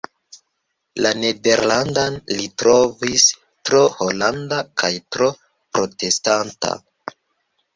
La nederlandan li trovis tro holanda kaj tro protestanta.